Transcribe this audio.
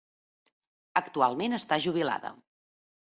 Actualment està jubilada.